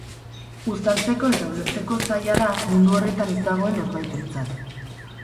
Uztartzeko eta ulertzeko zaila da mundu horretan ez dagoen norbaitentzat.